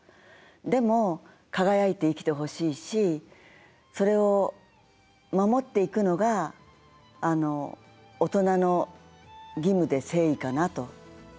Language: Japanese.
でも輝いて生きてほしいしそれを守っていくのが大人の義務で誠意かなと。